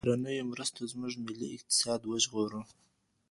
بهرنيو مرستو زموږ ملي اقتصاد وژغوره.